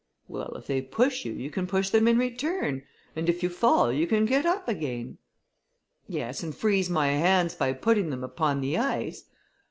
"Well, if they push you, you can push them in return, and if you fall, you can get up again." "Yes, and freeze my hands by putting them upon the ice."